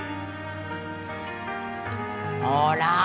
ほら